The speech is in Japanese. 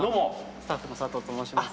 スタッフの佐藤と申します。